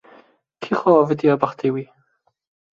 Kî xwe avitiye bextê wî